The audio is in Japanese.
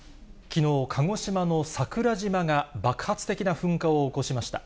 きのう、鹿児島の桜島が爆発的な噴火を起こしました。